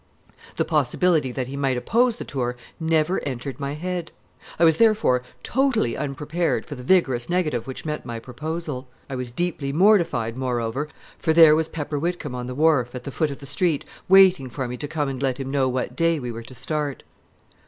The possibility that he might oppose the tour never entered my head. I was therefore totally unprepared for the vigorous negative which met my proposal. I was deeply mortified, moreover, for there was Pepper Whitcomb on the wharf, at the foot of the street, waiting for me to come and let him know what day we were to start.